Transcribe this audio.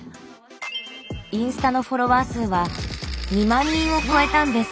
インスタのフォロワー数は２万人を超えたんです。